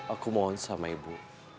aku mohon sama ibu